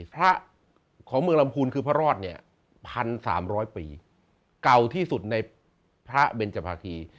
พระของเมืองลำพูนคือพระรอดเนี่ย๑๓๐๐ปีเก่าที่สุดในพระเบนจภาคี